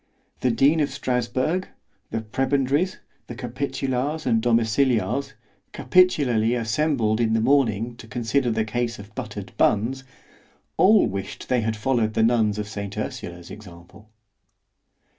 The dean of Strasburg, the prebendaries, the capitulars and domiciliars (capitularly assembled in the morning to consider the case of butter'd buns) all wished they had followed the nuns of saint Ursula's example.